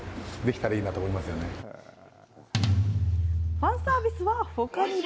ファンサービスはほかにも。